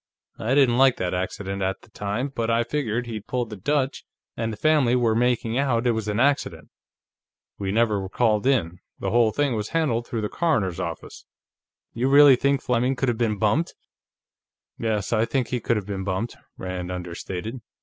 I didn't like that accident, at the time, but I figured he'd pulled the Dutch, and the family were making out it was an accident. We never were called in; the whole thing was handled through the coroner's office. You really think Fleming could have been bumped?" "Yes. I think he could have been bumped," Rand understated.